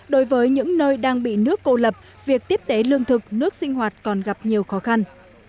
đối với những nơi đang bị nước cô lập việc tiếp tế lương thực nước sinh hoạt còn gặp nhiều khó khăn